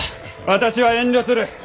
私は遠慮する。